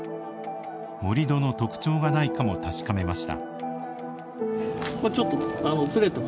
盛土の特徴がないかも確かめました。